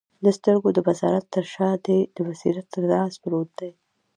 د سترګو د بصارت تر شاه دي د بصیرت راز پروت دی